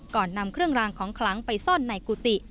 ก่อนนำเครื่องรางของคลังไปซ่อนในกุฏิ